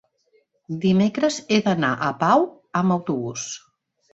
dimecres he d'anar a Pau amb autobús.